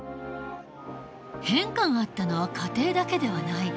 変化があったのは家庭だけではない。